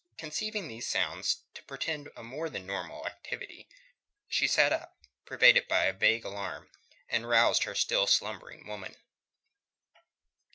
Conceiving these sounds to portend a more than normal activity, she sat up, pervaded by a vague alarm, and roused her still slumbering woman.